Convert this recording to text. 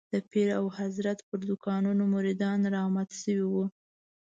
د پیر او حضرت پر دوکانونو مريدان رامات شوي وو.